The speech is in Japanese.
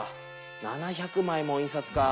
７００枚も印刷かあ。